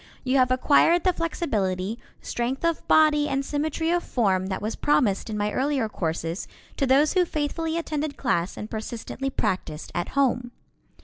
You have acquired the flexibility, strength of body and symmetry of form that was promised in my earlier courses to those who faithfully attended class and persistently practiced at home.